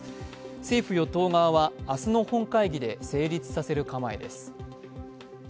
政府・与党側は明日の本会議で成立させる構えです。